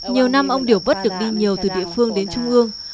nhiều năm ông điều vất được đi nhiều từ địa phương đến trung ương